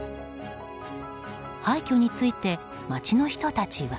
廃虚について、町の人たちは。